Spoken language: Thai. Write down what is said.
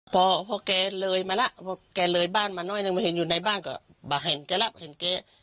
พอพอแกเลยมาแล้วพอแกเลยบ้านมาน้อยหนึ่งมาเห็นอยู่ในบ้านก็เห็นแกแล้วเห็นแก